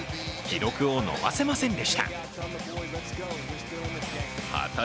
記録を伸ばせませんでした。